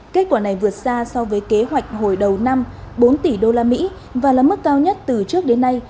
kết quả này vượt xa so với kế hoạch hồi đầu năm bốn tỷ usd và là mức cao nhất từ trước đến nay